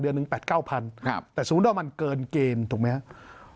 เดี๋ยวนึง๘๙๐๐๐แหล่ะแต่สมมติว่ามันเกินเกณฑ์ถูกไหมครับ